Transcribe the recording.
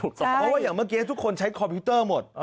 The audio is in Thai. เพราะว่าอย่างเมื่อกี้ทุกคนใช้คอมพิวเตอร์หมด